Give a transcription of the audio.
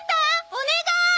お願ーい！